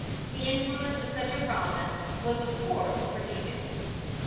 The influence of such a promise was of course prodigious.